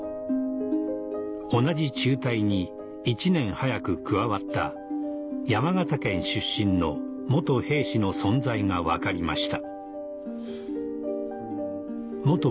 同じ中隊に１年早く加わった山形県出身の兵士の存在が分かりました